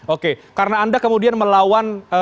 oke karena anda kemudian melawan